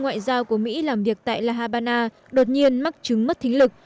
những người làm việc tại la habana đột nhiên mắc chứng mất thính lực